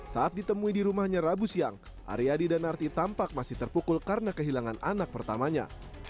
saat ditemui di rumahnya rabu siang aryadi dan arti tampak masih terpukul karena kehilangan anak pertamanya